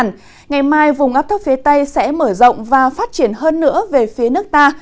ngày mai vùng ấp thấp phía tây sẽ mở rộng và phát triển hơn nữa về phía nước ta